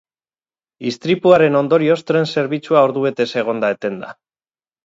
Istripuaren ondorioz tren-zerbitzua ordubetez egon da etenda.